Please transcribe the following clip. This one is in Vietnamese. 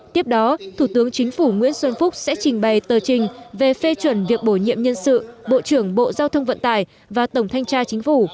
tiếp đó thủ tướng chính phủ nguyễn xuân phúc sẽ trình bày tờ trình về phê chuẩn việc bổ nhiệm nhân sự bộ trưởng bộ giao thông vận tải và tổng thanh tra chính phủ